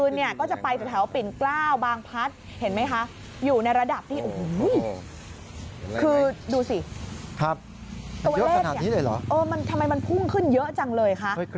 เห็นอะไรไหมคือดูสิตัวเอสเนี่ยเออทำไมมันพุ่งขึ้นเยอะจังเลยคะ